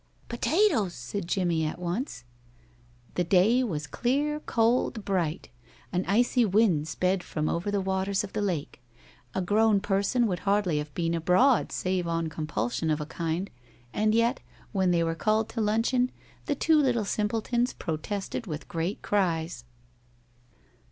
"Potatoes," said Jimmie, at once. The day was clear, cold, bright. An icy wind sped from over the waters of the lake. A grown person would hardly have been abroad save on compulsion of a kind, and yet, when they were called to luncheon, the two little simpletons protested with great cries.